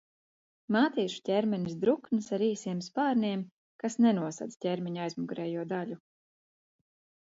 Mātīšu ķermenis drukns ar īsiem spārniem, kas nenosedz ķermeņa aizmugurējo daļu.